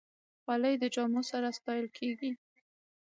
خولۍ د جامو سره ستایل کېږي.